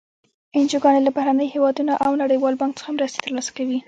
انجوګانې له بهرنیو هېوادونو او نړیوال بانک څخه مرستې تر لاسه کوي.